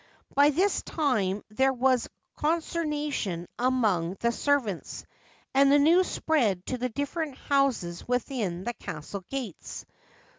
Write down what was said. By this time there was consternation among the servants, and the news spread to the different houses within the castle gates.